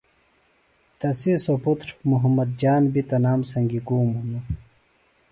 تسی سوۡ پُتر محمد جان بیۡ تنام سنگی گُوم ہِنوۡ